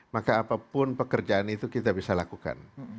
maka apapun pekerjaan itu kita bisa lakukan